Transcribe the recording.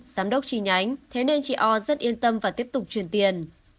giám đốc trì nhánh thế nên chị o rất yên tâm và tiếp tục chuyển tiền